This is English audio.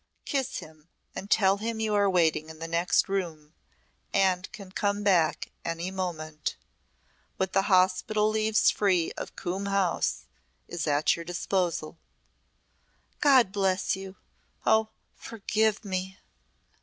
"Kiss him and tell him you are waiting in the next room and can come back any moment. What the hospital leaves free of Coombe House is at your disposal." "God bless you! Oh, forgive me!"